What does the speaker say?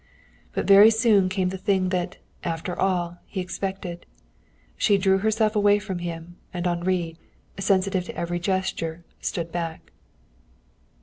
But very soon came the thing that, after all, he expected. She drew herself away from him, and Henri, sensitive to every gesture, stood back.